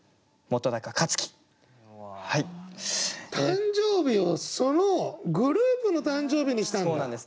誕生日をグループの誕生日にしたんだ。